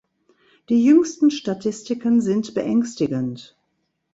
Die jüngsten Statistiken sind beängstigend.